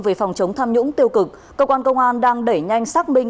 về phòng chống tham nhũng tiêu cực cơ quan công an đang đẩy nhanh xác minh